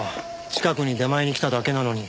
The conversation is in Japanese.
近くに出前に来ただけなのに。